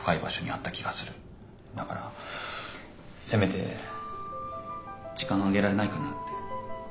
だからせめて時間あげられないかなって。